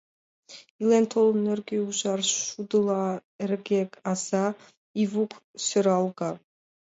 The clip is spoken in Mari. Илен-толын нӧргӧ ужар шудыла эрге аза — Ивук — сӧралга.